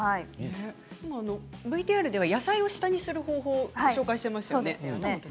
ＶＴＲでは野菜を下にする方法を紹介していましたよね。